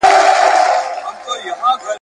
د سپینو ژړو او د سرو ګلونو ,